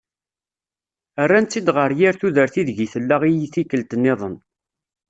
Rran-tt-id ɣer yir tudert i deg i tella i tikelt niḍen.